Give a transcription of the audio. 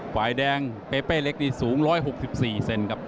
หวายแดงเป๊ะเล็กที่สูง๑๖๔เซนติเมตรครับ